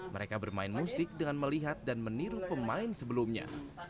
mereka bermain musik dengan melihat dan meniru pemain sebelumnya